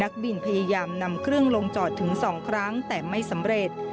บินพยายามนำเครื่องลงจอดถึง๒ครั้งแต่ไม่สำเร็จ